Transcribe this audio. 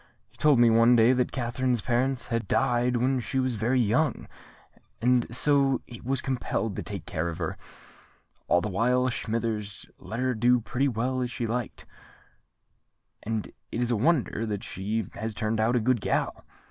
He told me one day that Katherine's parents had died when she was very young, and so he was compelled to take care of her. All the while she was a child Smithers let her do pretty well as she liked; and it is a wonder that she has turned out a good gal.